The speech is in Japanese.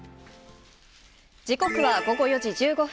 時刻は午後４時１５分。